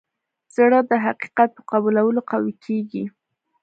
زړه د حقیقت په قبلولو قوي کېږي.